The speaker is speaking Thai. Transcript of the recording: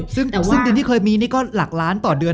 ซึ่งเดือนที่เคยมีนี่ก็หลักล้านต่อเดือน